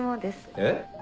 えっ？